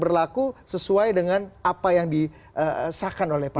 biarkan undang undang ini tetap berlaku sesuai dengan apa yang disahkan oleh pak